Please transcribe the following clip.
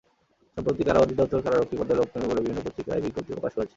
সম্প্রতি কারা অধিদপ্তর কারারক্ষী পদে লোক নেবে বলে বিভিন্ন পত্রিকায় বিজ্ঞপ্তি প্রকাশ করেছে।